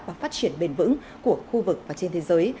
và phát triển bền vững của khu vực và trên thế giới